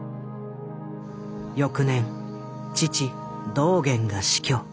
翌年父・道源が死去。